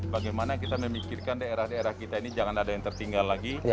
bagaimana kita memikirkan daerah daerah kita ini jangan ada yang tertinggal lagi